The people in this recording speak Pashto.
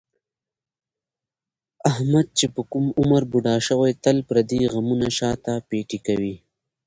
احمد چې په کوم عمر بوډا شوی، تل پردي غمونه شاته پېټی کوي.